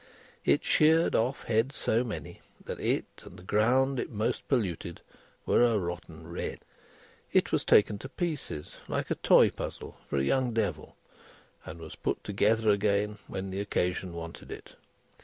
It sheared off heads so many, that it, and the ground it most polluted, were a rotten red. It was taken to pieces, like a toy puzzle for a young Devil, and was put together again when the occasion wanted it.